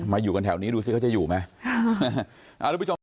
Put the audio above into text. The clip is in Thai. อยู่กันแถวนี้ดูสิเขาจะอยู่ไหม